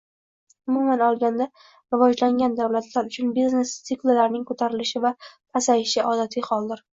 Umuman olganda, rivojlangan davlatlar uchun biznes tsikllarining ko'tarilishi va pasayishi odatiy holdir